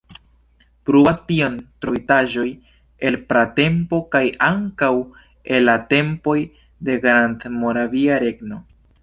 Pruvas tion trovitaĵoj el pratempo kaj ankaŭ el la tempoj de Grandmoravia regno.